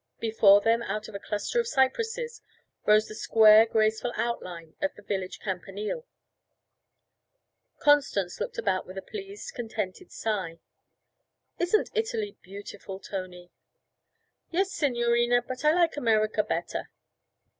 Before them out of a cluster of cypresses, rose the square graceful outline of the village campanile. Constance looked about with a pleased, contented sigh. 'Isn't Italy beautiful, Tony?' 'Yes, signorina, but I like America better.'